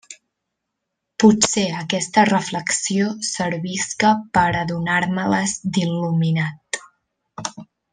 Potser aquesta reflexió servisca per a donar-me-les d'il·luminat.